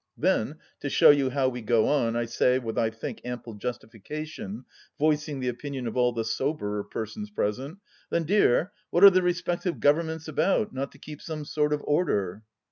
Then — to show you how we go on — I say, with I think ample justification, voicing the opinion of all the soberer persons present :" Then, dear, what are the respective Gtovernments about, not to keep some sort of order